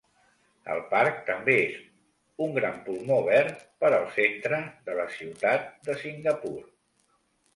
El parc també és un gran pulmó verd per al centre de la ciutat de Singapur.